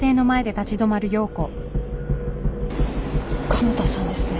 加茂田さんですね。